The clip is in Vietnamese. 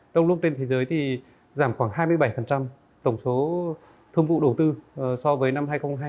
trong lúc trên thế giới thì giảm khoảng hai mươi bảy tổng số thương vụ đầu tư so với năm hai nghìn hai mươi hai